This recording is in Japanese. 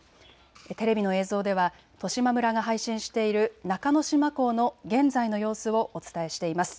テレビの映像では十島村が配信している中之島港の現在の様子をお伝えしています。